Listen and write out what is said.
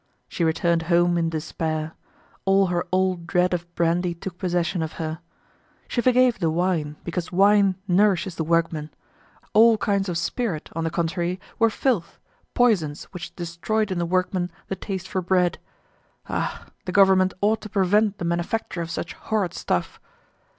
She returned home in despair; all her old dread of brandy took possession of her. She forgave the wine, because wine nourishes the workman; all kinds of spirit, on the contrary, were filth, poisons which destroyed in the workman the taste for bread. Ah! the government ought to prevent the manufacture of such horrid stuff!